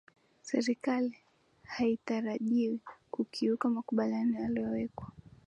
serikali haitarajiwi kukiuka makubaliano yaliyowekwa